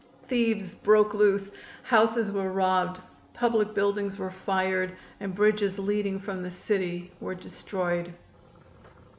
Thieves broke loose, houses were robbed, public buildings were fired and bridges leading from the city were destroyed.